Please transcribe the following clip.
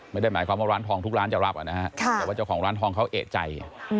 ไม่ได้หมายความว่าร้านทองทุกร้านจะรับนะฮะแต่ว่าเจ้าของร้านทองเขาเอกใจ